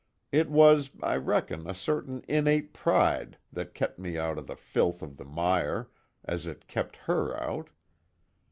It was, I reckon, a certain innate pride that kept me out of the filth of the mire, as it kept her out.